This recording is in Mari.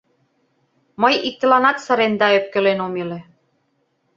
Мый иктыланат сырен да ӧпкелен ом иле.